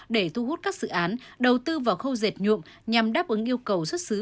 để thu hút các dự án đầu tư vào khâu dệt nhuộm nhằm đáp ứng yêu cầu xuất xứ